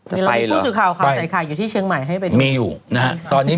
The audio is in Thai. มีไรให้พู่สื่อข่าวขาวใสไข่อยู่ที่เชียงใหม่ให้ไปดู